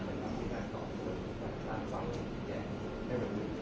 แต่ว่าไม่มีปรากฏว่าถ้าเกิดคนให้ยาที่๓๑